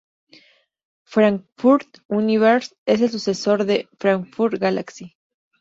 Frankfurt Universe es el sucesor del Frankfurt Galaxy.